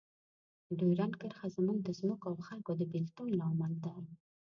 ډیورنډ کرښه زموږ د ځمکو او خلکو د بیلتون لامل ده.